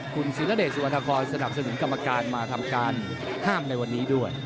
คุณศิรเดชสุวรรณครสนับสนุนกรรมการมาทำการห้ามในวันนี้ด้วย